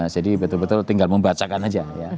jadi betul betul tinggal membacakan aja